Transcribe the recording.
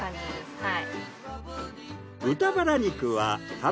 はい。